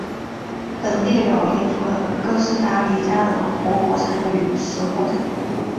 本列表列出了哥斯达黎加的活火山与死火山。